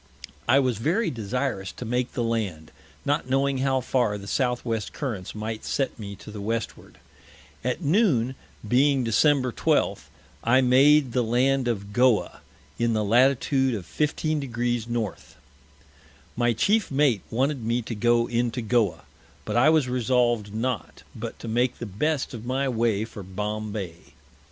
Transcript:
I was very desirous to make the Land, not knowing how far the Southwest Currents might set me to the Westward. At noon, being Dec. 12, I made the Land of Goa, in the Latitude of 15 Degrees North. My Chief Mate wanted me to go into Goa, but I was resolved not, but to make the best of my Way for Bombay.